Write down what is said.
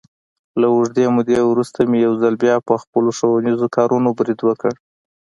له اوږدې مودې ورسته مې یو ځل بیا، په خپلو ښوونیزو کارونو برید وکړ.